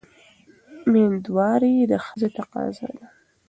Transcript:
مېندواري د ښځې تقاضا ده.